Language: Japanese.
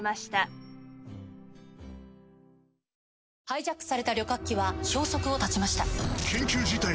ハイジャックされた旅客機は消息を絶ちました。